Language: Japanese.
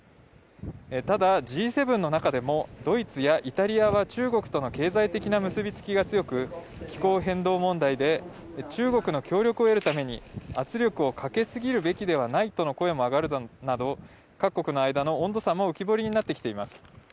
ただ、Ｇ７の中でもドイツやイタリアは中国との経済的な結び付きが強く気候変動問題で中国の協力を得るために圧力をかけすぎるべきではないとの声も上がるなど各国の間の温度差も浮き彫りになってきています。